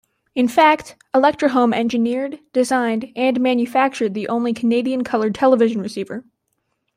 In fact, Electrohome engineered, designed, and manufactured the only Canadian colour television receiver.